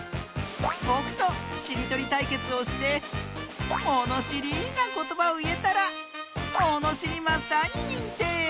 ぼくとしりとりたいけつをしてものしりなことばをいえたらものしりマスターににんてい！